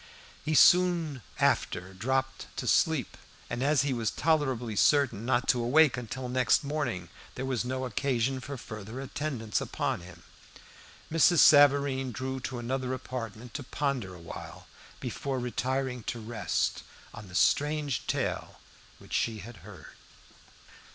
He soon after dropped asleep, and as he was tolerably certain not to awake until next morning, there was no occasion for further attendance upon him. Mrs. Savareen drew to another apartment to ponder a while, before retiring to rest, on the strange tale which she had heard.